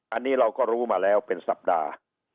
อันนี้เราก็รู้มาแล้วเป็นสัปดาห์